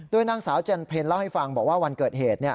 นางสาวจันเพลเล่าให้ฟังบอกว่าวันเกิดเหตุ